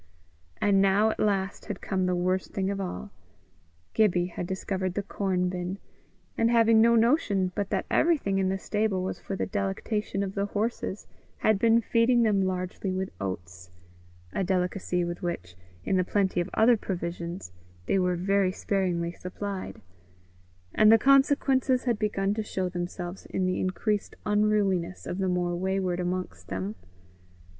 And now at last had come the worst thing of all: Gibbie had discovered the corn bin, and having no notion but that everything in the stable was for the delectation of the horses, had been feeding them largely with oats a delicacy with which, in the plenty of other provisions, they were very sparingly supplied; and the consequences had begun to show themselves in the increased unruliness of the more wayward amongst them.